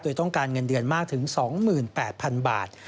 โดยต้องการเงินเดือนมากถึง๒๘๐๐๐บาท